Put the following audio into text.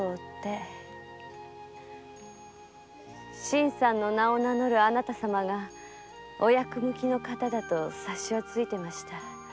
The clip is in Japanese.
新さんの名を名乗るあなた様がお役向きの方だと察しはついていました。